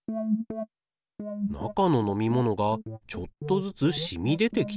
中の飲み物がちょっとずつしみ出てきちゃってる？